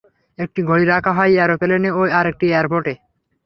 একটি ঘড়ি রাখা হয় অ্যারোপ্লেনে ও আরেকটি এয়ারপোর্টে।